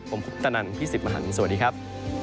ผมคุกตะนันพี่สิบมหันสวัสดีครับ